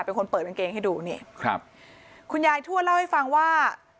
เป็นคนเปิดกางเกงให้ดูนี่ครับคุณยายทั่วเล่าให้ฟังว่า